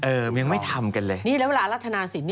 เออมึงไม่ทำกันเลย